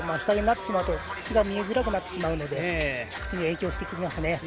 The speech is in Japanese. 日陰になってしまうと着地が見えづらくなりますので着地、影響してきますね。